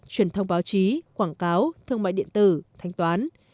truyền thông báo chí quảng cáo thương mại điện tử thanh toán